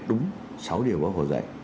đúng sáu điều bác hồ dạy